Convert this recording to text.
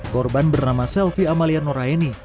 korban bernama selvi amalia nuraini